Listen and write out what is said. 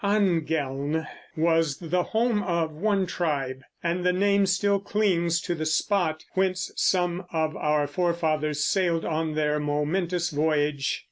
Angeln was the home of one tribe, and the name still clings to the spot whence some of our forefathers sailed on their momentous voyage.